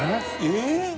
えっ？